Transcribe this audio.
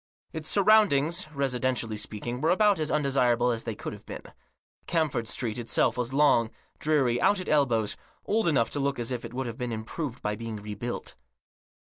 Its surroundings, residentially speaking, were about as undesirable as they could have been. Camford Street itself was long, dreary, out at , elbows, old enough to look as if it would be improved by being rebuilt.